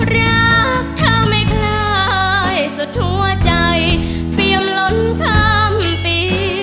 รักเธอไม่คล้ายสุดหัวใจเปรียมล้นข้ามปี